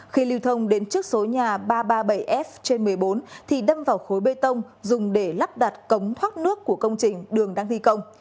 khi lưu thông đến trước số nhà ba trăm ba mươi bảy f trên một mươi bốn thì đâm vào khối bê tông dùng để lắp đặt cống thoát nước của công trình đường đang thi công